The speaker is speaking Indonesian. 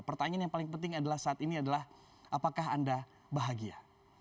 pertanyaan yang paling penting adalah saat ini adalah apakah anda bahagia